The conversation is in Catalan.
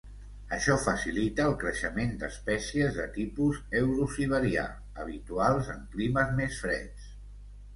Això facilita el creixement d'espècies de tipus eurosiberià, habituals en climes més freds.